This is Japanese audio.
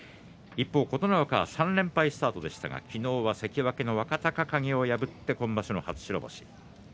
琴ノ若は３連敗スタートでしたが昨日は関脇の若隆景を破って今場所、初白星。